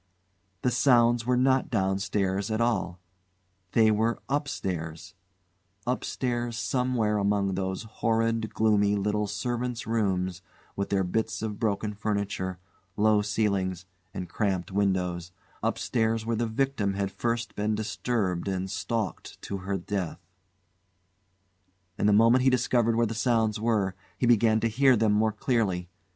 The sounds were not downstairs at all; they were upstairs upstairs, somewhere among those horrid gloomy little servants' rooms with their bits of broken furniture, low ceilings, and cramped windows upstairs where the victim had first been disturbed and stalked to her death. And the moment he discovered where the sounds were, he began to hear them more clearly.